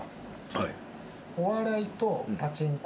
はい。